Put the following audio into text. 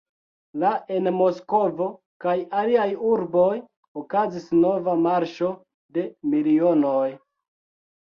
La en Moskvo kaj aliaj urboj okazis nova "Marŝo de milionoj".